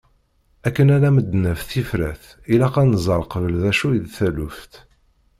Akken ad am-d-naf tifrat ilaq ad nẓer qbel d acu i d taluft.